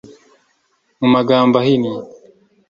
mu magambo ahinnye